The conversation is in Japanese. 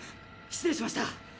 失礼しました。